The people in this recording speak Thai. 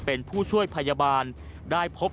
มันกลับมาแล้ว